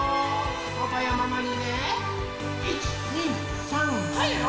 パパやママにね「１２３はい！」よ。